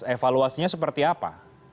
evaluasinya seperti apa